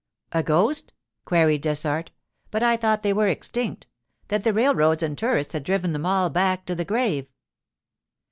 'A ghost?' queried Dessart. 'But I thought they were extinct—that the railroads and tourists had driven them all back to the grave.